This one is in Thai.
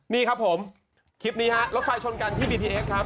นี่ครับผมคลิปนี้ฮะรถไฟชนกันที่บีทีเอสครับ